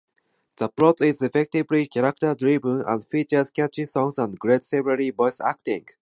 The plot is effectively character-driven, and features catchy songs and great celebrity voice-acting.